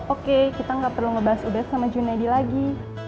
oke kita enggak perlu ngebahas ubes sama junedi lagi